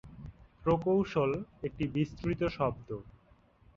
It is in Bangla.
প্রকৌশল একটি বিস্তৃত শব্দ।